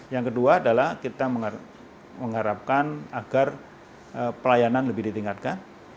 yang kedua adalah kita mengharapkan agar pelayanan lebih ditingkatkan